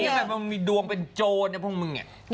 งั้นมึงดูงเป็นโจรแบบนึงเนี้ย